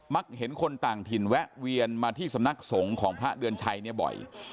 เห็นคนต่างถิ่นแวะเวียนมาที่สำนักสงฆ์ของพระเดือนชัยเนี่ยบ่อย